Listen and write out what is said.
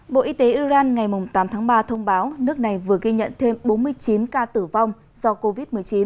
bộ y tế iran ngày tám tháng ba thông báo nước này vừa ghi nhận thêm bốn mươi chín ca tử vong do covid một mươi chín